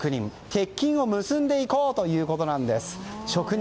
鉄筋を結んでいこう！ということなんです。